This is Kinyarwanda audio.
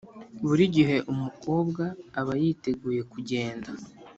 buri gihe umukobwa aba yiteguye kugenda